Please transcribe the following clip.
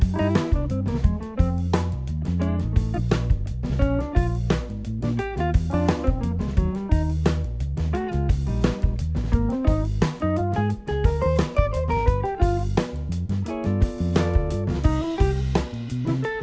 สวัสดีครับสวัสดีครับ